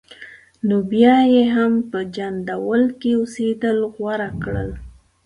نو بیا یې هم په جندول کې اوسېدل غوره کړل.